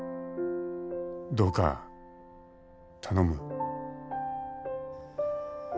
「どうか頼む」